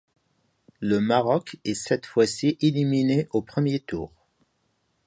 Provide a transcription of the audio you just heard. Le Maroc est cette fois-ci éliminé au premier tour.